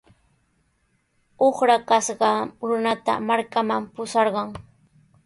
Uqrakashqa runata markanman pusharqan.